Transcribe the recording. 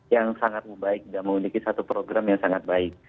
yang sangat baik dan memiliki satu program yang sangat baik